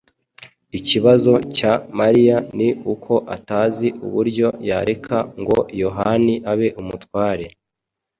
Ikibazo cya Mariya ni uko atazi uburyo yareka ngo Yohani abe umutware